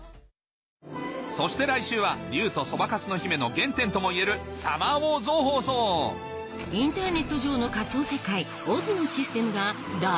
そして来週は『竜とそばかすの姫』の原点ともいえる『サマーウォーズ』を放送インターネット上の何で？